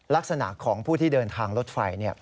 ลักษณะของผู้ที่เดินทางรถไฟ